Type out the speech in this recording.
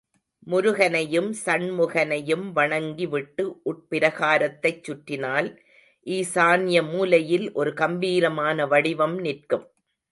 முருகனையும் சண்முகனையும் வணங்கி விட்டு உட்பிராகாரத்தைச் சுற்றினால், ஈசான்ய மூலையில் ஒரு கம்பீரமான வடிவம் நிற்கும்.